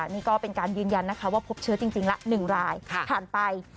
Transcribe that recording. นี่ก็เป็นการยืนยันนะคะว่าพบเชื้อจริงละ๑รายผ่านไป